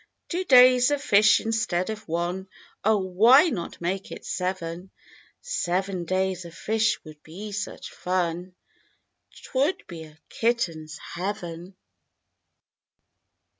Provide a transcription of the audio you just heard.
Two days of fish instead of one. Oh, why not make it seven? Seven days of fish would be such fun, 'T would be a kitten's heaven.